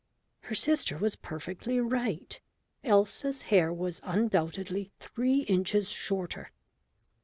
Her sister was perfectly right. Elsa's hair was undoubtedly three inches shorter.